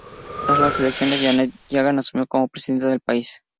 Tras las elecciones, Janet Jagan asumió como Presidenta del país.